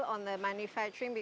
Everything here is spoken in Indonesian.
dalam proses pembuatan